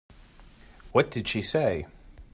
What did she say?